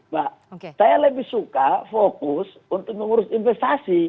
mbak saya lebih suka fokus untuk mengurus investasi